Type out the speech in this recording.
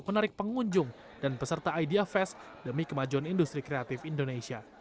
menarik pengunjung dan peserta idea fest demi kemajuan industri kreatif indonesia